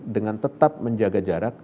dengan tetap menjaga jarak